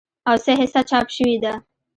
او څه حصه چاپ شوې ده